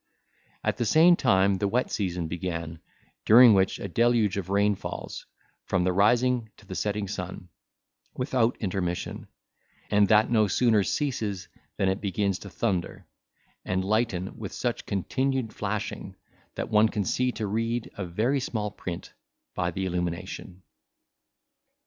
At the same time the wet season began, during which a deluge of rain falls, from the rising to the setting sun, without intermission, and that no sooner ceases than it begins to thunder, and lighten with such continued flashing, that one can see to read a very small print by the illumination.